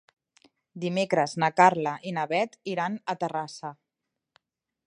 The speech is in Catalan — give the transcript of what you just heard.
Dimecres na Carla i na Bet iran a Terrassa.